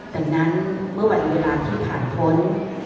ดังนั้นเมื่อวันเวลาที่ผ่านพ้น